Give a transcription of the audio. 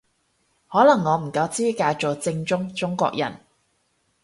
可能我唔夠資格做正宗中國人